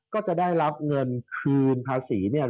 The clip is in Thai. ก็จะได้รับเงินพอสับสนุนโทษสันติน